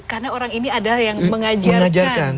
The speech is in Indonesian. karena orang ini ada yang mengajarkan